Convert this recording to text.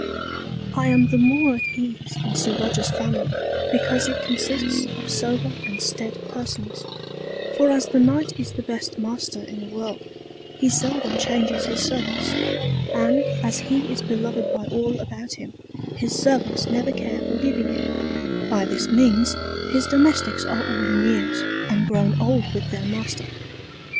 I am the more at Ease in Sir Roger's Family, because it consists of sober and staid Persons: for as the Knight is the best Master in the World, he seldom changes his Servants; and as he is beloved by all about him, his Servants never care for leaving him: by this means his Domesticks are all in years, and grown old with their Master.